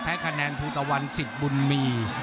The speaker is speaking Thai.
คะแนนภูตะวันสิทธิ์บุญมี